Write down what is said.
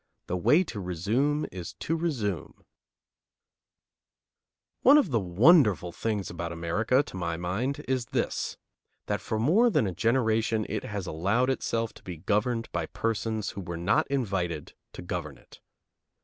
X THE WAY TO RESUME IS TO RESUME One of the wonderful things about America, to my mind, is this: that for more than a generation it has allowed itself to be governed by persons who were not invited to govern it.